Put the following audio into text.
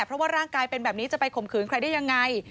เพราะว่าร่างกายเป็นแบบนี้จะไปข่มขืนใครได้ยังไง